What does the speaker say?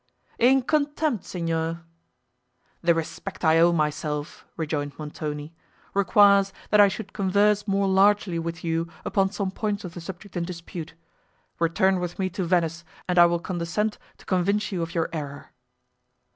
"In contempt, Signor?" "The respect I owe myself," rejoined Montoni, "requires, that I should converse more largely with you upon some points of the subject in dispute. Return with me to Venice, and I will condescend to convince you of your error."